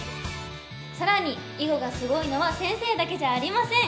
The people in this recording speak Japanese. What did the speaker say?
さらに囲碁がすごいのは先生だけじゃありません！